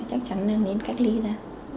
chắc chắn nên cách ly ra